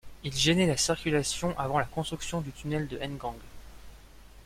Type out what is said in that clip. Il gênait la circulation avant la construction du tunnel de Ngang.